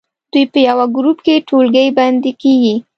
دوی په یوه ګروپ کې ټولګی بندي کیږي.